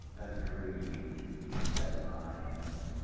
"Agreed," said I.